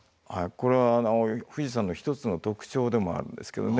これは富士山の一つの特徴でもあるんですけどね。